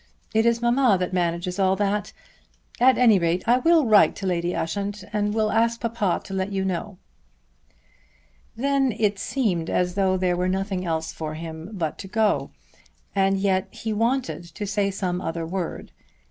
It is mamma that manages all that. At any rate, I will write to Lady Ushant, and will ask papa to let you know." Then it seemed as though there were nothing else for him but to go; and yet he wanted to say some other word.